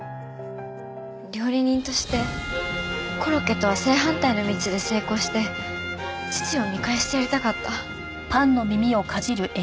料理人としてコロッケとは正反対の道で成功して父を見返してやりたかった。